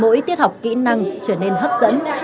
mỗi tiết học kỹ năng trở nên hấp dẫn